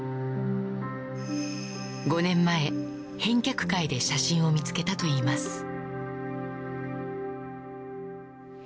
５年前、返却会で写真を見つけたといいます。